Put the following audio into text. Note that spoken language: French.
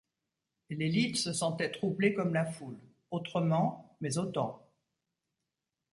L’élite se sentait troublée comme la foule ; autrement, mais autant.